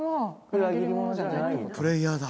・プレイヤーだ。